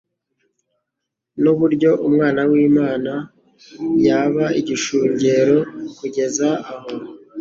n'uburyo Umwana w'Imana yaba igishungero kugeza aho.